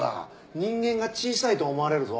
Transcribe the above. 人間が小さいと思われるぞ。